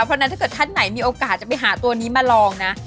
เพราะฉะนั้นถ้าเกิดท่านไหนมีโอกาสจะไปหาตัวนี้มาลองนะ